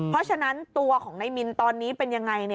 เพราะฉะนั้นตัวของนายมินตอนนี้เป็นยังไง